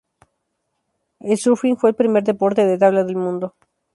El surfing fue el primer deporte de tabla del mundo.